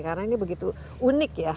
karena ini begitu unik ya